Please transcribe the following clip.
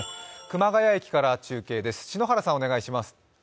熊谷駅から中継です。